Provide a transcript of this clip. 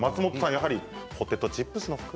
やはりポテトチップスの袋。